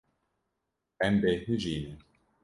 Em bêhnijî ne.